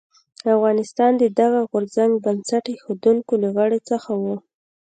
افغانستان د دغه غورځنګ بنسټ ایښودونکو له غړو څخه و.